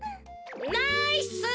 ナイス！